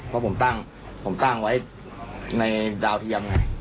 เพราะผมตั้งไว้ในดาวเทียมไง